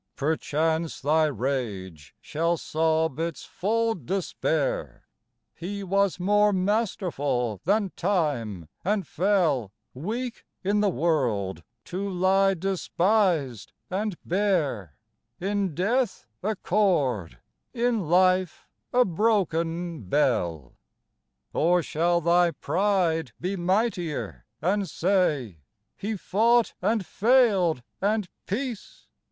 Perchance thy rage shall sob its full despair :" He was more masterful than Time and fell, Weak in the world, to lie despised and bare In death a chord, in life a broken bell." 57 TO A WOMAN Or shall thy pride be mightier and say :'' He fought and failed and Peace